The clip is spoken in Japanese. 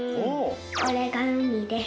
これがうみです。